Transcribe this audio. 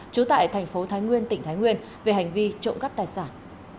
trú tại thành phố thái nguyên tỉnh thái nguyên về hành vi trộm cắp tài sản